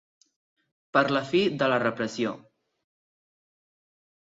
Per la fi de la repressió.